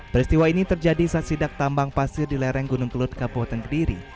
peristiwa ini terjadi saat sidak tambang pasir di lereng gunung kelut kabupaten kediri